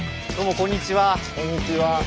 こんにちは。